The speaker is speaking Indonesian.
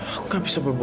aku gak bisa berbicara